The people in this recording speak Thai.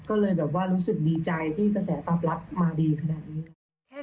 ก็เลยแบบว่ารู้สึกดีใจที่กระแสตอบรับมาดีขนาดนี้ค่ะ